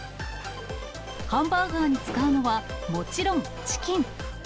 ハンバーガーに使うのは、もちろんチキン。